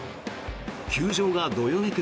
球場がどよめく